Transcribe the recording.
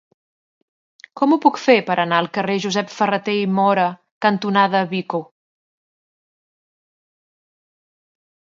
Com ho puc fer per anar al carrer Josep Ferrater i Móra cantonada Vico?